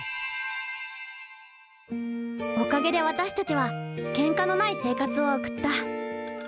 おかげで私たちはケンカのない生活を送った。